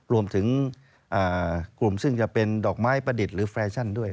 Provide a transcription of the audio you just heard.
รวมถึงกลุ่มซึ่งจะเป็นดอกไม้ประดิษฐ์หรือแฟชั่นด้วย